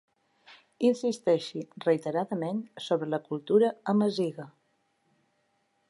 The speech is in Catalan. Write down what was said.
Insisteixi reiteradament sobre la cultura amaziga.